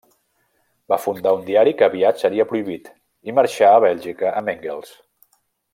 Va fundar un diari que aviat seria prohibit, i marxà a Bèlgica amb Engels.